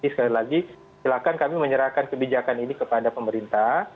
sekali lagi silakan kami menyerahkan kebijakan ini kepada pemerintah